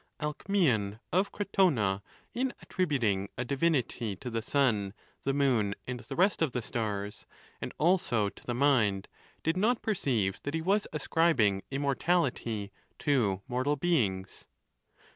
Alcmseon of Crotona, in attributing a divinity to the sun, the moon, and the rest of the stars, and also to the mind, did not perceive that he was ascribing immortality to mortal beings.